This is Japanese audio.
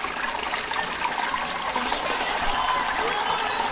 一回目でいったー！